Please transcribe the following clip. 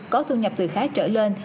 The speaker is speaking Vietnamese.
có thu nhập từ khá trở lên